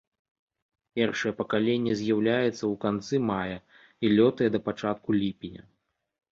Першае пакаленне з'яўляецца ў канцы мая і лётае да пачатку ліпеня.